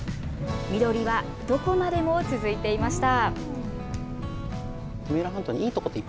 緑はどこまでも続いていました。